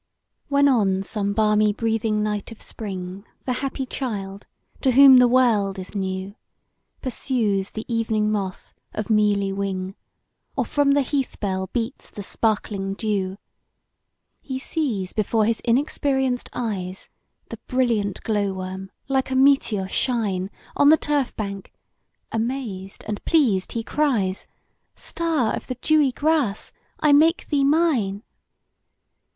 WHEN on some balmy breathing night of Spring The happy child, to whom the world is new, Pursues the evening moth, of mealy wing, Or from the heath bell beats the sparkling dew; He sees before his inexperienced eyes The brilliant Glow worm, like a meteor, shine On the turf bank; amazed, and pleased, he cries, "Star of the dewy grass! I make thee mine!"